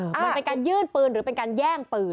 มันเป็นการยื่นปืนหรือเป็นการแย่งปืน